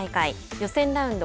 予選ラウンド